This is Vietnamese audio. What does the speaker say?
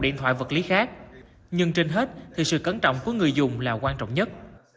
điện thoại vật lý khác nhưng trên hết thì sự cẩn trọng của người dùng là quan trọng nhất